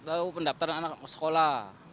tahu pendaptaran anak sekolah